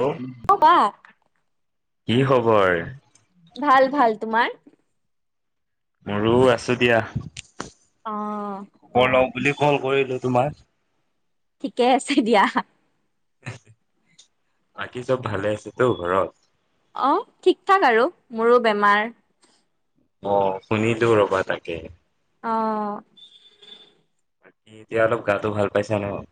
Hello অ কোৱা? কি খবৰ ভাল ভাল তোমাৰ? মোৰো আছো দিয়া। অ। খবৰ লওঁ বুলি কল কৰিলো তোমাক। ঠিকে আছে দিয়া। বাকী চব ভালে আছে তো ঘৰত? অ ঠিক ঠাক আৰু মোৰো বেমাৰ। অ শুনিলো ৰবা তাকে। অ। বাকী এতিয়া অলপ গাটো ভাল পাইছা নে বাৰু?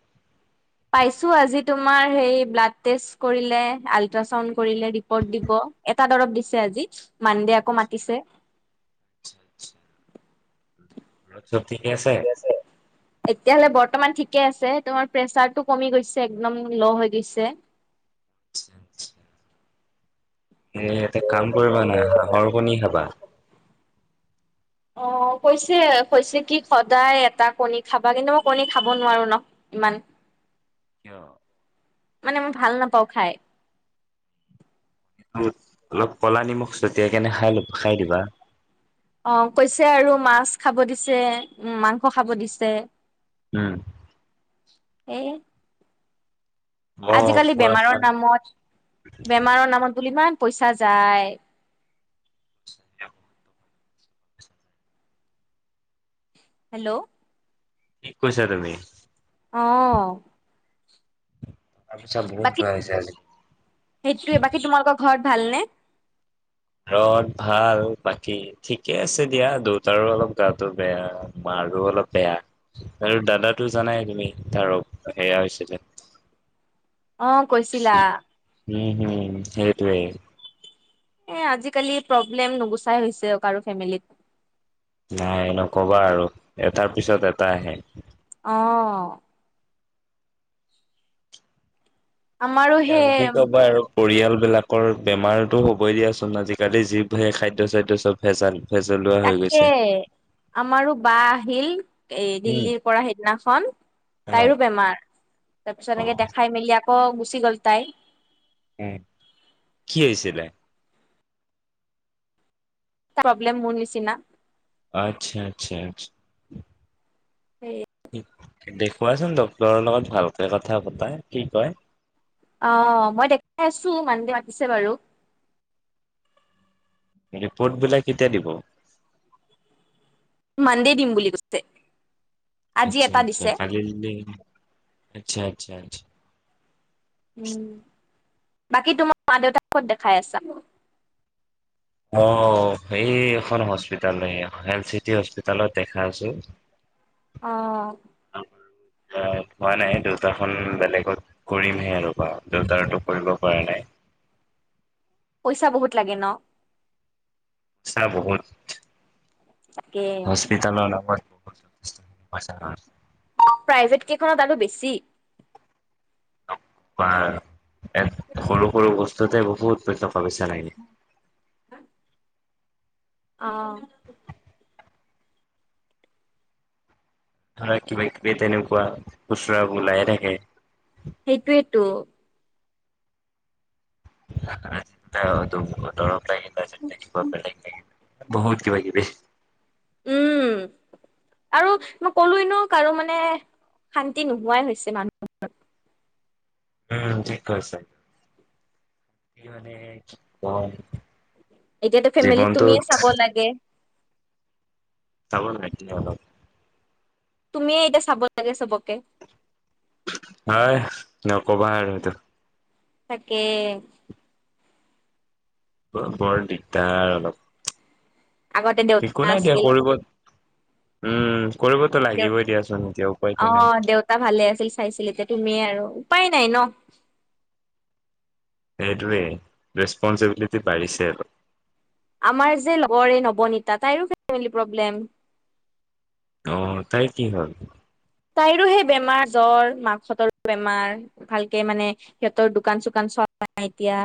পাইছো আজি তোমাৰ সেই ব্লাড টেষ্ট কৰিলে, আলট্ৰা ছাউন্ড কৰিলে ৰিপৰ্ট দিব, এটা দৰব দিছে আজি মানডে আকৌ মাতিছে। ৰদ চব ঠিকে আছে তেতিয়াহ'লে বৰ্তমান ঠিকে আছে তোমাৰ প্ৰেচাৰটো কমি গৈছে একদম ল' হৈ গৈছে। এ এটা কাম কৰিবা না হাঁহৰ কণী খাবা অ কৈছে কৈছে কি সদায় এটা কণী খাবা কিন্তু মই কণী খাব নোৱাৰো ন ইমান কিয় মানে মই ভাল নাপাওঁ খাই অলপ কলা নিমখ ছতিয়াই কেনে খাই ল খাই দিবা অ কৈছে আৰু মাছ খাব দিছে উ মাংস খাব দিছে উম হেই অ আজিকালি খোৱা বেমাৰৰ খাল নামত বেমাৰৰ নামত বুলি ইমান পইচা যায় ্চ [unintelligible] হেল্ল' ঠিক কৈছা তুমি অঁ তাৰপিছত বহুত বাকী যোৱা হৈছে আজি সেইটোয়ে বাকী তোমালোকৰ ঘৰত ভালনে? ঘৰত ভাল বাকী ঠিকে আছে দিয়া দেউতাৰো অলপ গাটো বেয়া মাৰো অলপ বেয়া আৰু দাদাটো জানাই তুমি তাৰ সেয়া হৈছিলে। অঁ কৈছিলা সেইটোৱে এ আজিকালি প্ৰব্লেম নুগুচাই হৈছে কাৰো ফেমিলিত নাই এ নকবা আৰু এটাৰ পিছত এটা আহে অ আমাৰো এই আৰু কি সেই ক'বা আৰু পৰিয়াল বিলাক বেমাৰতো হ'বই দিয়াচোন আজিকালি যি সেই খাদ্য চাদ্য চব ভেজাল। ভেজলোৱা হৈ তাকে গৈছে আমাৰো বা আহিল এ উম দিল্লীৰ পৰা সিদিনাখন অ তাইৰো বেমাৰ তাৰ পিছত অ এনেকে দেখাই মেলি প গুচি গল তাই উ কি হৈছিলে প্ৰব্লেম মোৰ নিচিনা আচ্ছা আচ্ছা আচ্ছা দেখুৱাচোন ডক্টৰৰ লগত ভালকে কথা পতা কি কয় অ মই দেখাই আছো মানডে মাতিছে বাৰু ৰিপৰ্ট বিলাক কেতিয়া দিব মানডে দিম বুলি কৈছে আজি আচ্ছা এটা আচ্ছা দিছে খালি আচ্ছা আচ্ছা আচ্ উম বাকী তোমাৰ মা দেউতাক কত দেখাই আছা। অ সেই এখন হস্পিটাহে এলচিটি হস্পিটালত দেখাই আছো। আহ অ পোৱা নাই দেউতাখন বেলেগত কৰিমহে আৰু বা জতাৰতটো কৰিব পৰা নাই পইচা বহুত লাগে ন আছা বহুত তাকে হস্পিটালত পচ [unintelligible] প্ৰাইভেট কেইখনত আৰু বেছি। তাৰ পৰা আৰু এক সৰু সৰু বস্তু ততে বহু উৎপম প্ৰাৱচ নাইনে অ ধৰা কিবা কিবি তেনেকুৱা খুচুৰা ওলাই থাকে। সেইটোৱেইেতো প লাই [unintelligible] তাৰ পিছত দেখিব বেলেগ [unintelligible] বহুত কিবাগিবি উম আৰু মই ক'লোৱ নো কাৰো মানে শান্তি নোহোৱাই হৈছে মানুহত উম ঠিক কৈছে মানে কি কম এতিয়াতো ফেমিলিত জীৱনটো তুমিয়ে চাব লাগে চাব লাগে অলপ তুমিয়ে এতিয়া চাব লাগে চবকে। হয় নকবা আৰুটো তাকে বৰ দিগদাৰ আগতে অলপ একো দেউতা নাই দিয়া আছিল কৰোবাত উম কৰিবতো দেউ লাগিবই দিয়াচোন এতিয়া উপায়তো অ নাই। দেউতা ভালে আছিল চাইছিল এতিয়া তুমিয়ে আৰু উপায় নাই ন। সেইটোৱে ৰেস্পন্চবিলিটি বাঢ়িছে আৰু আমাৰ যে লগৰে নৱনীতা তাইো ফেম প্ৰব্লেম। আহ তাই কি হ'ল সেই বেমাৰ জ্বৰ মাকহঁতৰো বেমাৰ ভালকে মানে সিহঁতৰ দোকান চোকান চোৱা নাই এতিয়া।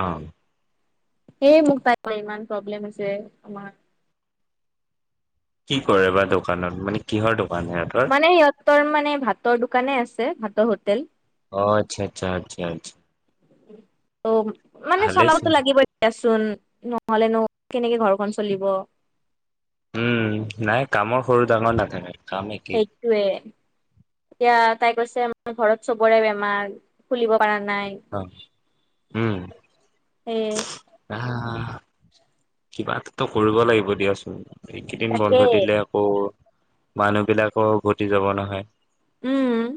অ এই মোক তাই ইমান প্ৰব্লেম আছে আমাৰ কি কৰে বা দোকানত মানে কিহৰ দোকান? সিহঁতৰ? মানে সিহঁতৰ মানে? ভাতৰ দোকানে আছে ভাতৰ হোটেল অ আচ্ছা আচ্ছা আচ্ছা আছা ভালেই চোন চোন নহলে ন কেনেকে ঘৰখন চলিব উম, নাই কামৰ সৰু ডাঙৰ নাথাকে। কাম একেই। সেইটোৱে এতিয়া তাই কৈছে ঘৰত চবৰে বেমাৰ খুলিব পাৰা নাই, অ' উম, এই কিবা এটাটো কৰিব লাগিব দিয়াচোন। এইকেইদিন তাকে বন্ধ দিলে আকৌ মানুহ বিলাকো উভতি যাব নহয় উম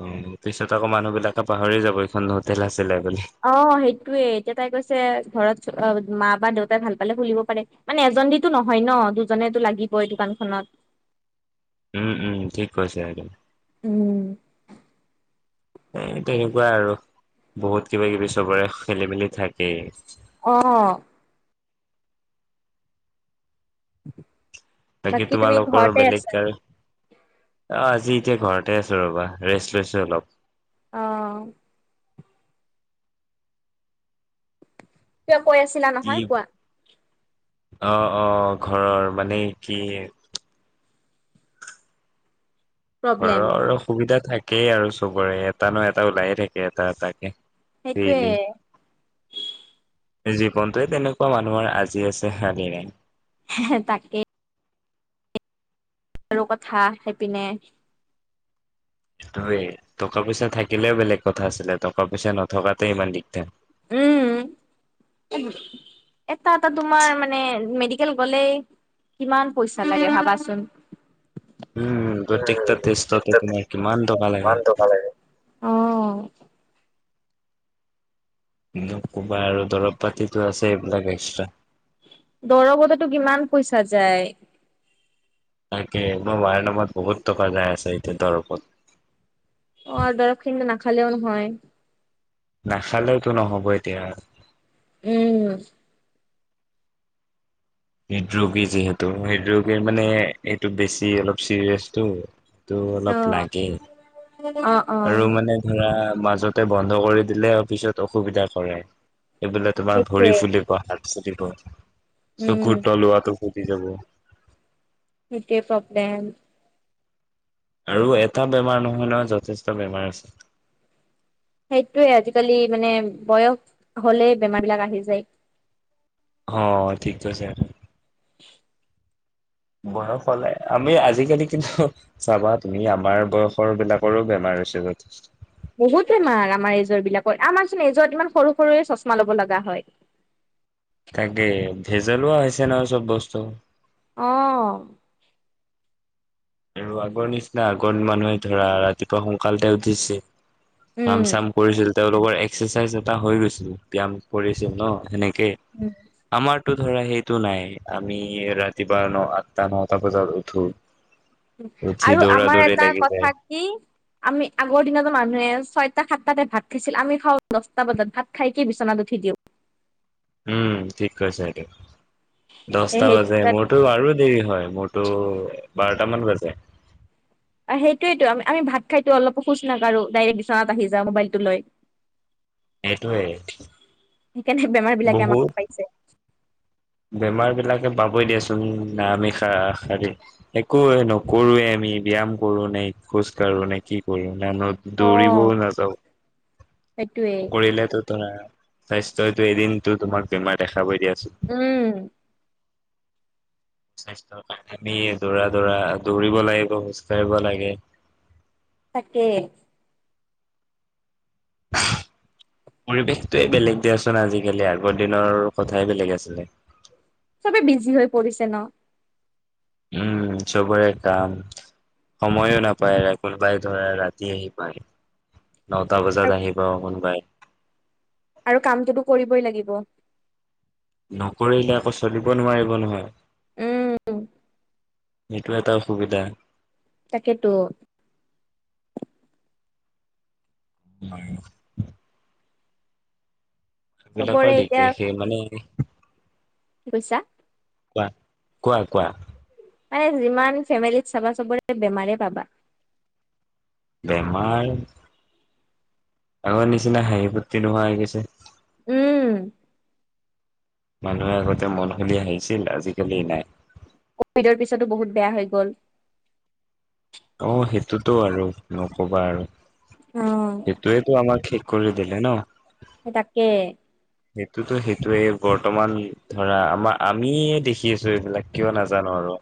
অ পিছত আকৌ মানুহ বিলাকে পাহৰি যাব এইখন হোটেল আছে। অ সেইটোৱে এতিয়া তাই কৈছে ঘৰত অ মা বা দেউতাই ভাল পালে খুলিব পাৰে মানে এজন দতো নহয় ন দুজনেতো লাগিব এই দোকানখনত। উম, উম ঠিক কৈছে একদম। উম এ তেনেকুৱা আৰু, বহুত কিবা-কিবি সবৰে খেলি-মেলি থাক অহ [unintelligible] বাকী তুমি তোমালোকৰ ঘৰতে বেলেগ আছা কাৰ? অ আজি এতিয়া ঘৰতে আছো ৰ'বা ৰেষ্ট লৈছো অলপ। অহ তেওঁ কৈ আছিলা নহয়, কোৱা আহ-আহ ঘৰৰ মানে কি প্ৰব্লেম ঘৰৰ অসুবিধা থাকেই আৰু সবৰে, এটা নহয় এটা ওলাইয়ে থাকে এটা এটাকে। সেইটোৱে ডেইলি জীৱনটোৱে তেনেকুৱা মানুহৰ আজি আছে শানি নাই। হে তাকে আৰু কথা সেইপিনে তয়েই, টকা পইচা থাকিলেও বেলেগ কথা আছিলে, টকা পইচা নথকাতে ইমান দিগদাৰ। উম, এটা এটা তোমাৰ মানে, মেডিকেল গলেই কিমান পইচা লাগে ভাবাচোন। উম প্ৰত্যেক টা তেষ্টতে তোমাৰ কিমান টকা লাগে। ইমান টকা লাগে অ [unintelligible] বা আৰু দৰব পাতিতো আছে এইবিলাক এক্সট্ৰা চা যায়। তাকে, মোৰ মায়েৰ নামত বহুত টকা যাই আছে এতিয়া দৰপত। অ' দৰব খিনিটো নাখালেও নহয়। নাখালেওতো নহ'ব এতিয়া। উম। হৃদৰোগী যিহেতু হৃদৰোগীৰ মানে এইটো বেছি অলপ চিৰিয়াচটো। ত' অ অলপ লাগে। অ আৰু মানে ধৰা মাজতে বন্ধ কৰি দিলে অফিচত অসুবিধা কৰে। এইবোলে তোমাৰ সেইটোৱে। ভৰি ফুলিব হাত [unintelligible] উম চকুুৰ তলুৱাটো। পতি যাব। সেইটোৱে প্ৰবলেম। আৰু এটা বেমাৰ নহয় নহয় যথেষ্ট বেমাৰ আছে। সেইটোৱে আজিকালি মানে বয়স হলে বেমাৰ বিলাক আহি যায়। অ' ঠিক আছে সেইটো। [inaudible] বয়স হলে আমি আজিকালি কিন্তু চাবা তুমি আমাৰ বয়সৰ বিলাকৰো বেমাৰ হৈছে যথেষ্ট। বহুত বেমাৰ আমাৰ এজ'ৰ বিলাকৰ, আমাৰচোন এজ'ত ইমান সৰু-সৰুয়ে চচমা লব লগা হয়। ভেজলুৱা হৈছে নহয় চব বস্তু। অঁ। আৰু আগৰ নিচিনা, আগত মানুহে ধৰা ৰাতিপুৱা সোনকালতে উঠিছে। উম কাম-চাম কৰিছিল। তেওঁলোকৰ এক্সাৰচাইজ এটা হৈ গৈছিল ব্যয়াম কৰিছিল ন সেনে কে আমাৰ টো ধৰা সেইটো নাই, আমি ৰাতিপুৱা ন - আঠটা, নটা বজাত উঠো। উঠি আৰু দৌৰা আমাৰ দৌৰি এটা লাগি যায় কথা কি আমি আগৰ দিনতো মানুহে ছয়টা সাতটাতে ভাত খাইছিল আমি খাওঁ দচটা বজাত ভাত খাইকে বিচনাত উঠি দিওঁ। উম, ঠিক কৈছা এইটো। দচটা সেই বাজে, মোৰতো আৰু দেৰি হয়। মোৰতো বাৰ তা মান বাজে। আৰু সেইটোৱেটো আমি - আমি ভাত খাইতো অলপো খোজ নাকাঢ়োঁ, ডাইৰেক্ট বিচনাত আহি যাওঁ মোবাইলটো লৈ সেইটোৱে। সেইকাৰণে বেমাৰ বিলাকে বহুত আমাক পাইছে। বেমাৰ বিলাকে পাবই দিয়াচোন না আমি খা-খালি একোয়ে নকৰোৱে, আমি ব্যায়াম কৰো নে খোজ কাঢ়ো নে কি কৰো! [unintelligible] দৌৰিবও অ', নাযাওঁ সেইটোৱে [unintelligible] [unintelligible] স্বাস্থ্যইতো এদিনতো তোমাক বেমাৰ দেখাবই দিয়া উম স্বাস্থ্যৰ কাৰণে আমি দৌৰা দৌৰা দৌৰিব লাগিব খোজ কঢ়িব লাগে তাকে পৰিৱেশটোৱে বেলেগ দিয়াচোন আজিকালি আগৰ দিনৰ কথাই বেলেগ আছিলে। চবে বিজি হৈ পৰিছে ন উম চবৰে কাম সময়ো নাপায় কোনোবাই ধৰা ৰাতি আহি পায় নটা আৰু বজাত আহি ব মন বাই আৰু কামটোতো কৰিবই লাগিব নকৰিলে আকৌ চলিব নোৱাৰিব নহয় উম সেইটোে এটা অসুবিধা তাকেেতো উ হয় স বিিলৰ চবৰে এতিয়া দিকে সেই মানে কি কৈছা কোৱা কোৱা কোৱা যিমান ফেমিলিত চাবা চাবৰে বেমাৰে পাবা বেমাৰ আগৰ নিচিনা হাঁহি প্তি নোহোৱা হৈ গৈছে উম মানুহে আগতে মন হলি আহিছিল আজিকালি নাই কভিডৰ পিছতো বহুত বেয়া হৈ গ'ল অ সেইটোতো আৰু নকবা আৰু অ সেইটোৱেতটো আমাক কি কৰি দিল ন' এাকে সেইটোতো সেইটোোৱে বৰ্তমান ধৰা আমাৰ আমিয়ে দেখি আছো এইবিলাক কিয় নাজানো আৰু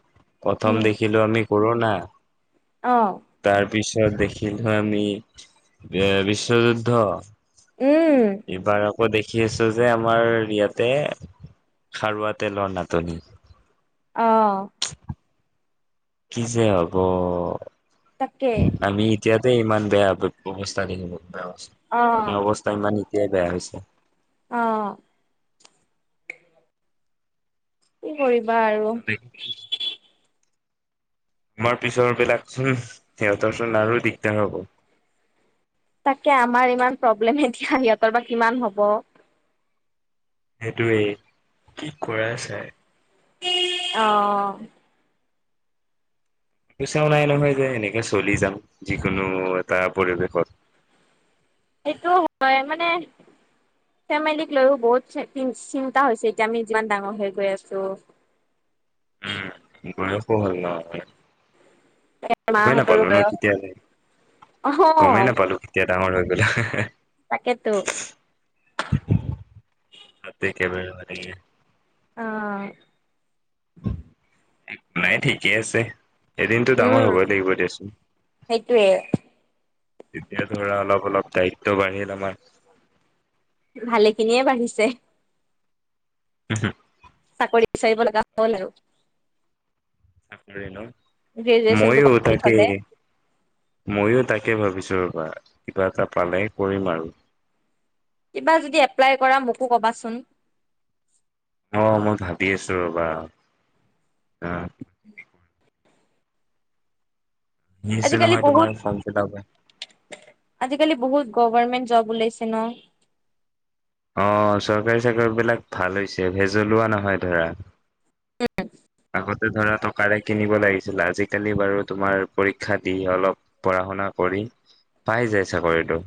প্ৰথম দেখিলো আমি কৰোনা আহ তাৰ পিছত দেখিলো আমি এ বিশ্বযুদ্ধ উম এইবাৰ আকৌ দেখি আছোঁ যে আমাৰ ইয়াতে খাৰুৱা তেলৰ নাটনি আহ কি যে আব থাকে এতিয়াতে ইমান বেয়া অৱস্থা নখিব অ বেয়া অৱস্থাই মানি এতিয়াই বেয়া হৈছে আহ উ হয় বা আৰু আমাৰ পিছৰ বিলাকচোন সিহঁতৰ চোন আৰু দিগদাৰ হ'ব। তাকে আমাৰ ইমান প্ৰব্লেম এতিয়া সিহঁতৰ বা কিমান হ'ব। সেইটোৱেই কি কৰা যায়। আহ। পইচাও নাই নহয় যে এনেকে চলি যাম যিকোনো এটা পৰিৱেশত। সেইটো হয় মানে ফেমিলী লৈও বহুত চিন্তা হৈছে এতিয়া আমি যিমান ডাঙৰ হৈ গৈ আছোঁ। উম বয়সয়ো হ'ল ন আমাৰ। মাহঁতৰো বয়স, আহ। গমেই নাপালো কেতিয়া ডাঙৰ হৈ গ'লো। তাতে একেবাৰে মানে অঁ নাই ঠিকেই আছে। এদিনতটো উম ডাঙৰ হবই লাগিব দিয়াচোন, সেইটোয়ে তেতিয়া ধৰা অলপ অলপ- দায়ি ত্ব বাঢ়িল আমাৰ। ভালে খিনিয়ে বাঢ়িছে। হুম হুম। চাকৰি বিচাৰিব লগা হ'ল আৰু। চাকৰি ন। গ্ৰেজুৱেচনটো ময়ো কৰি তাকে থলে ময়ো তাকে ভাবিছোঁ। কিবা এটা পালে কৰিম আৰু। কিবা যদি এপ্লাই কৰা মোকো ক'বাচোন। অ মই ভাবি আছো ৰ'বা। অ আহি আছে আজিকালি নহয় তোমাৰ বহুত ফৰ্ম ফিল আপ আজিকালি বহুত গভাৰমেণ্ট জব ওলাইছে ন। অ চৰকাৰী চাকৰি বিলাক ভাল হৈছে ভেজলোৱা নহয় ধৰা। উম। আগতে ধৰা টকাৰে কিনিব লাগিছিল আজিকালি বাৰু তোমাৰ পৰীক্ষা দি অলপ পঢ়া শুনা কৰি পাই যায় চাকৰিটো।